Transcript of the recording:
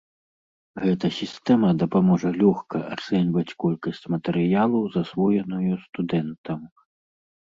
Гэта сістэма дапаможа лёгка ацэньваць колькасць матэрыялу, засвоеную студэнтам.